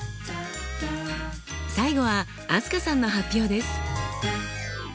最後は飛鳥さんの発表です。